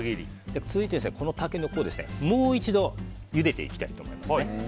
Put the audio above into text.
続いてこのタケノコをもう一度ゆでていきたいと思います。